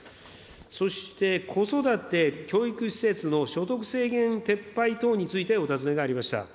そして子育て教育施設の所得制限撤廃等について、お尋ねがありました。